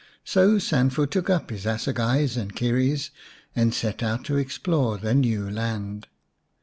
So Sanfu took up his assegais and kerries and set out to explore the new land.